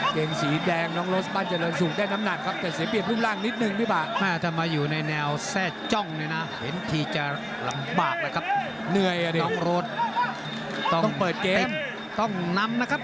กางเกงสีแดงน้องโรสบัตรเจริญสุก